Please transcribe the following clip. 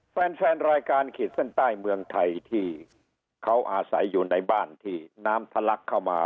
แฟนแฟนรายการขีดเส้นใต้เมืองไทยที่เขาอาศัยอยู่ในบ้านที่น้ำทะลักเข้ามา